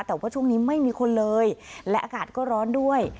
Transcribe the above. แต่ว่าช่วงนี้ไม่มีคนเลยและอากาศก็ร้อนด้วย